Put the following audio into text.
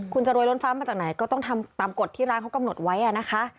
คุณจะโรยล้นฟ้ามาจากไหนก็ต้องทำตามกฎที่ร้านเขากำหนดไว้นะคะ